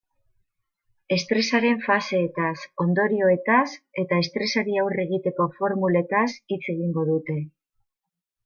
Estresaren faseetaz, ondorioetaz eta estresari aurre egiteko formuletaz hitz egingo dute.